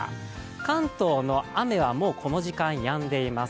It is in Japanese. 関東の雨はもうこの時間、やんでいます。